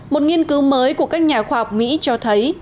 một nghiên cứu mới của các nhà khoa học mỹ cho thấy